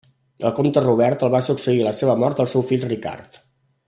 Al comte Robert el va succeir a la seva mort el seu fill Ricard.